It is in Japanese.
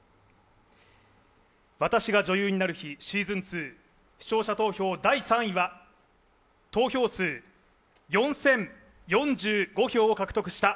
「『私が女優になる日＿』ｓｅａｓｏｎ２」視聴者投票第３位は投票数４０４５票を獲得した